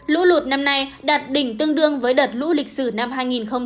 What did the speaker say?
lũ lụt năm nay đạt đỉnh tương đương với đợt lũ lịch sử năm hai nghìn một mươi sáu